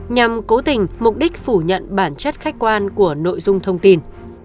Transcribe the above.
nhằm cố tình mục đích phủ nhận bản chất khách quan của nội dung thông tin